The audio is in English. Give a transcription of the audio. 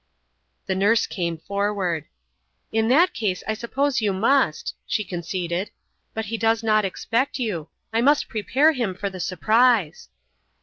The nurse came forward. "In that case I suppose you must," she conceded. "But he does not expect you. I must prepare him for the surprise."